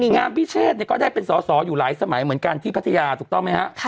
พิเชษก็ได้เป็นสอสออยู่หลายสมัยเหมือนกันที่พัทยาถูกต้องไหมฮะ